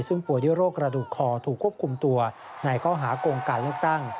ซึ่งป่วยด้วยโรคกระดูกคอถูกควบคุมตัวในข้อหากงการเลือกตั้ง